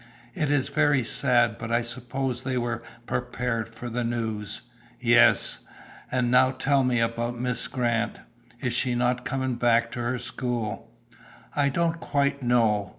"It is very sad, but I suppose they were prepared for the news." "Yes." "Now tell me about Miss Grant. Is she not coming back to her school?" "I don't quite know.